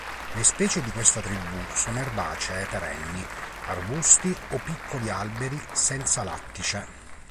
Le specie di questa tribù sono erbacee perenni, arbusti o piccoli alberi senza lattice.